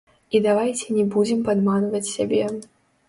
І давайце не будзем падманваць сябе.